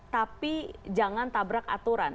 tapi jangan tabrak aturan